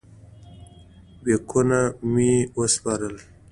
بیکونه مې وسپارم.